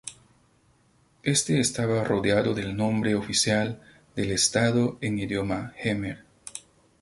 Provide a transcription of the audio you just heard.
Éste estaba rodeado del nombre oficial del Estado en idioma jemer.